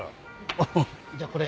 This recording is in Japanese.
ああじゃあこれ。